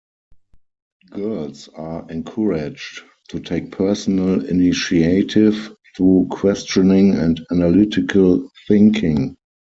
Girls are encouraged to take personal initiative through questioning and analytical thinking.